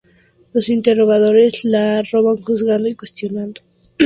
Los Interrogadores la roban juzgando y cuestionando.